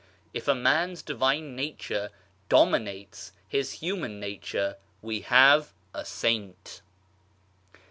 If a man's Divine Nature dominates his human nature, we have a saint.